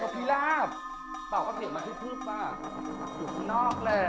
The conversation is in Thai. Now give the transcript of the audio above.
โอ๊ยแต่มันใจเต้นอะไร